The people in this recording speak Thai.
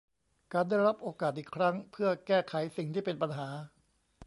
การได้รับโอกาสอีกครั้งเพื่อแก้ไขสิ่งที่เป็นปัญหา